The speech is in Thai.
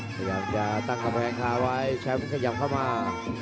ขยับจะตั้งกับแห่งคาไว้แชมป์ขยับเข้ามา